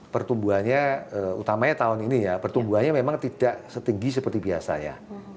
pertumbuhannya utamanya tahun ini ya pertumbuhannya memang tidak setinggi seperti biasa ya